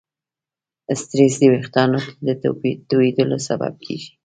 سټرېس د وېښتیانو تویېدلو سبب کېږي.